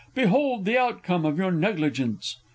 Behold the outcome of your negligence!